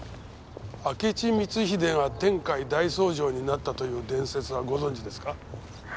明智光秀が天海大僧正になったという伝説はご存じですか？